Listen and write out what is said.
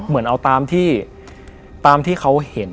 เหมือนเอาตามที่เขาเห็น